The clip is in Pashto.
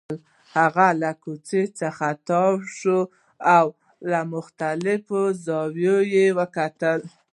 هغه له کوچ څخه تاو شو او له مختلفو زاویو یې وکتل